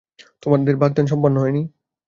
তোমার বাগদান হয় নি?